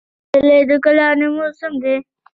پسرلی د ګلانو موسم دی